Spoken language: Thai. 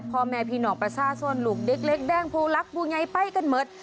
พ่อแม่พี่หนอกประชาส่วนลูกเด็กเล็กแด้งพูลักษมณ์บูงใยไปกันเมิด